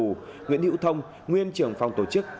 các bị cáo nguyễn hữu thông nguyên trưởng phòng tổ chức